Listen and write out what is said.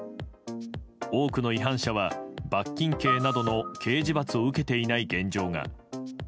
多くの違反者は、罰金刑などの刑事罰を受けていない現状が。